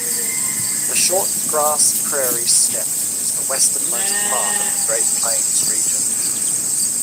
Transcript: The shortgrass prairie steppe is the westernmost part of the Great Plains region.